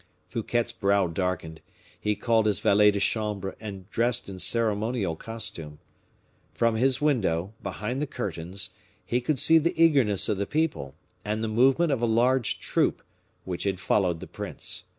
Fouquet's brow darkened; he called his valets de chambre and dressed in ceremonial costume. From his window, behind the curtains, he could see the eagerness of the people, and the movement of a large troop, which had followed the prince.